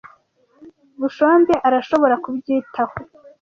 Bushombe arashobora kubyitaho.